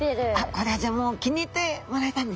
これはじゃあもう気に入ってもらえたんですね。